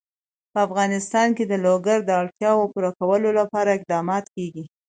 په افغانستان کې د لوگر د اړتیاوو پوره کولو لپاره اقدامات کېږي.